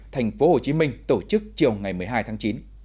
thành phố hồ chí minh tổ chức chiều ngày một mươi hai tháng chín